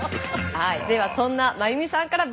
はい！